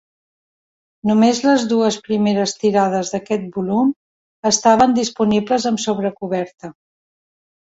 Només les dues primeres tirades d'aquest volum estaven disponibles amb sobrecoberta.